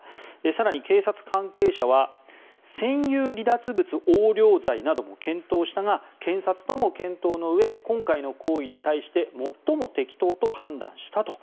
更に警察関係者は占有離脱物横領罪なども検討したが検察とも検討のうえ今回の行為に対して最も適当と判断したと。